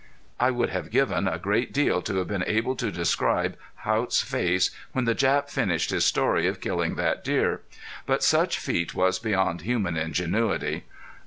I would have given a great deal to have been able to describe Haught's face when the Jap finished his story of killing that deer. But such feat was beyond human ingenuity.